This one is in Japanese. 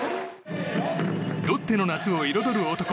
ロッテの夏を彩る男